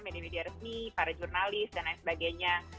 media media resmi para jurnalis dan lain sebagainya